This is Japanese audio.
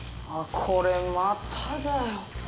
これまただよ。